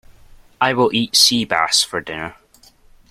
I will eat sea bass for dinner.